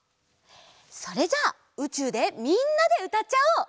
それじゃあうちゅうでみんなでうたっちゃおう！